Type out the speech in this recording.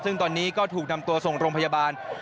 ซึ่งตอนนี้ก็ถูกนำตัวส่งโรงพยาบาล